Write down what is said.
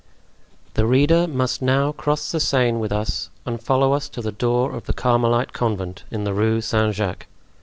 The reader must now cross the Seine with us and follow us to the door of the Carmelite Convent in the Rue Saint Jacques.